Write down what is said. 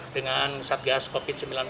dengan saat gas covid sembilan belas